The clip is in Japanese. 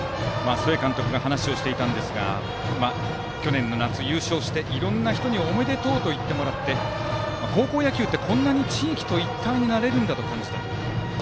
須江監督が話をしていたんですが去年の夏、優勝していろんな人におめでとうと言ってもらって高校野球って、こんなに地域と一体になれるんだと感じたと。